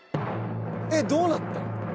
えっどうなったん？